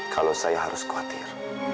kalau saya harus khawatir